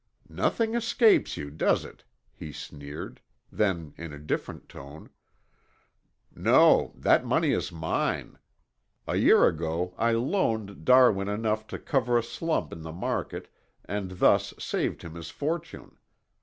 "Nothing escapes you, does it?" he sneered, then in a different tone, "No, that money is mine. A year ago I loaned Darwin enough to cover a slump in the market and thus saved him his fortune.